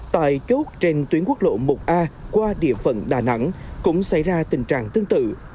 tại chốt trên tuyến quốc lộ một a qua địa phận đà nẵng cũng xảy ra tình trạng tương tự